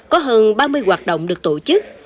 có hơn ba mươi hoạt động được tổ chức